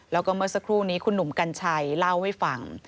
แล้วก็เมื่อสักครู่นี้คุณหนุ่มกัญชัยเล่าให้ฟัง